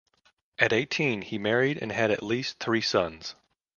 At eighteen he married and had at least three sons.